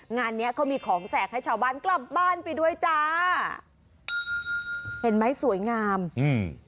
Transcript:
เนี้ยเขามีของแจกให้ชาวบ้านกลับบ้านไปด้วยจ้าเห็นไหมสวยงามอืม